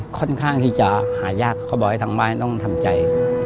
ค่อนข้างที่จะหายากเขาบอกให้ทางบ้านต้องทำใจ